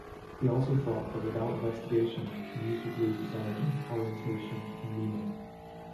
He also thought that without investigation, news would lose its energy, orientation and meaning.